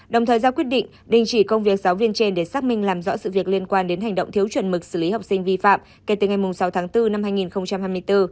đồng thời ra quyết định đình chỉ công việc giáo viên trên để xác minh làm rõ sự việc liên quan đến hành động thiếu chuẩn mực xử lý học sinh vi phạm kể từ ngày sáu tháng bốn năm hai nghìn hai mươi bốn